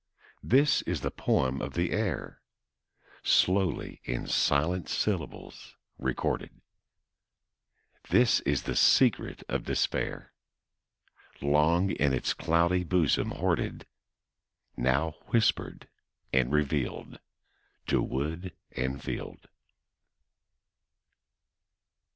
This is the poem of the air, Slowly in silent syllables recorded; This is the secret of despair, Long in its cloudy bosom hoarded, Now whispered and revealed To wood and field.